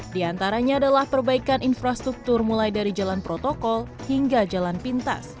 di antaranya adalah perbaikan infrastruktur mulai dari jalan protokol hingga jalan pintas